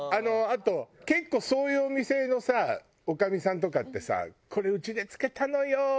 あと結構そういうお店のさおかみさんとかってさこれうちで漬けたのよ